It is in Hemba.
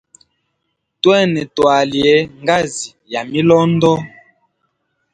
Twene twalie ngazi ya milondo.